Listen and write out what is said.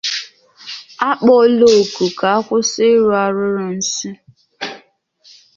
A kpọọla oku ka a kwụsị ịrụ arụrụ nsị